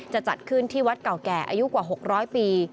จะจัดขึ้นที่วัดเก่าแก่อายุกว่า๖๐๐ปี